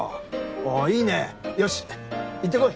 あいいねよし行ってこい。